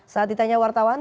saat ditanya wartawan